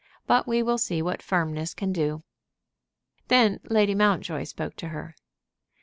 "But we will see what firmness can do." Then Lady Mountjoy spoke to her.